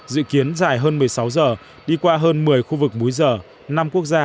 dự kiến dài hơn một mươi sáu giờ đi qua hơn một mươi khu vực múi giờ